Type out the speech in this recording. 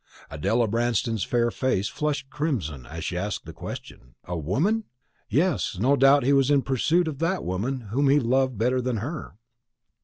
Adela Branston's fair face flushed crimson as she asked the question. A woman? Yes, no doubt he was in pursuit of that woman whom he loved better than her.